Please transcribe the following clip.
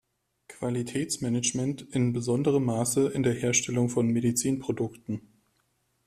Qualitätsmanagement in besonderem Maße in der Herstellung von Medizinprodukten.